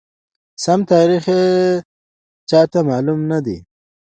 سم تاریخ یې چاته معلوم ندی،